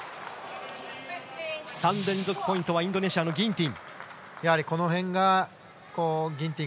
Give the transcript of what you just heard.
３連続ポイントはインドネシアのギンティン。